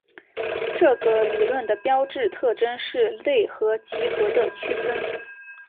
这个理论的标志特征是类和集合的区分。